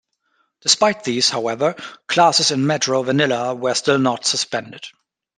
Despite these, however, classes in Metro Manila were still not suspended.